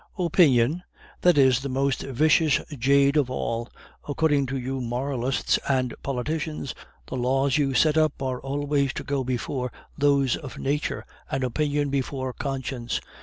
"Opinion? That is the most vicious jade of all. According to you moralists and politicians, the laws you set up are always to go before those of nature, and opinion before conscience.